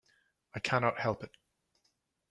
I cannot help it.